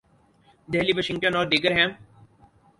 Delhi, Washington اور ''دیگر" ہیں۔